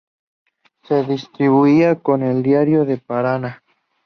Se distribuía con "El Diario" de Paraná.